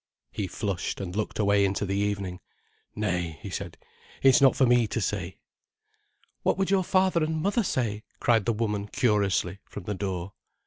He flushed, and looked away into the evening. "Nay," he said, "it's not for me to say." "What would your father and mother say?" cried the woman curiously, from the door.